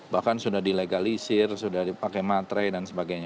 bahkan sudah dilegalisir sudah dipakai matre dan sebagainya